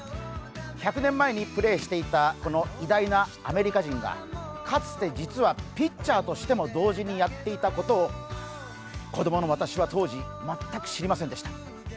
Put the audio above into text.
１００年前にプレーしていたこの偉大なアメリカ人がかつて実はピッチャーとしても同時にやっていたことを子供の私は当時、全く知りませんでした。